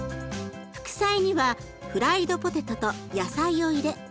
副菜にはフライドポテトと野菜を入れ